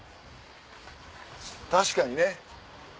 確かにね。